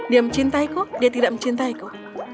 dia mencintaiku dia tidak mencintaiku